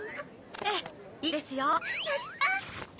ええいいですよ。